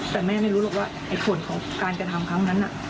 แต่แม่ไม่รู้หรอกว่าในส่วนของการกระทำครั้งนั้น